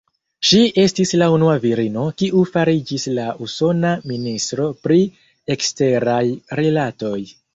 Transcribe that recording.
Ŝi estis la unua virino, kiu fariĝis la usona Ministro pri Eksteraj Rilatoj.